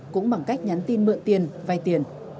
cũng bằng cách nhắn tin mượn tiền vay tiền